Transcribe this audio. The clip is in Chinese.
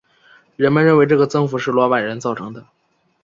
人们认为这个增幅是罗马人造成的。